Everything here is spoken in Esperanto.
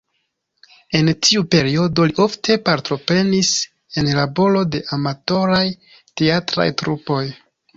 En tiu periodo li ofte partoprenis en laboro de amatoraj teatraj trupoj.